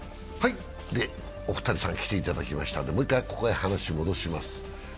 お二人さんに来ていただきましたんでもう一回ここに話を戻します。